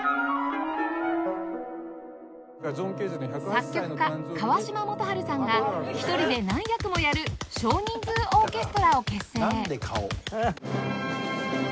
作曲家川島素晴さんが１人で何役もやる少人数オーケストラを結成